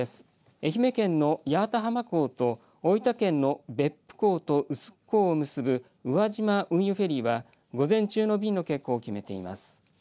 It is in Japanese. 愛媛県の八幡浜港と大分県の別府港と臼杵港を結ぶ宇和島運輸フェリーは午前中の便の欠航を決めています。